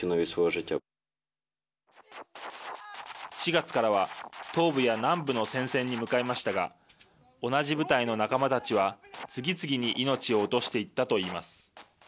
４月からは、東部や南部の戦線に向かいましたが同じ部隊の仲間たちは次々に命を落としていったと言います。